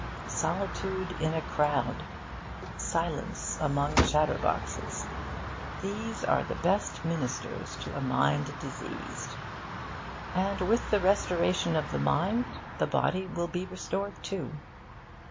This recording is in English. Solitude in a crowd, silence among chatterboxes these are the best ministers to a mind diseased. And with the restoration of the mind, the body will be restored too.